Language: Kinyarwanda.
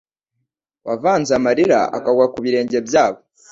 wavanze amarira akagwa ku birenge byabo